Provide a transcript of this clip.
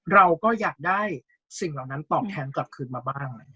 เราก็อยากได้สิ่งเหล่านั้นตอบแทนกลับคืนมาบ้าง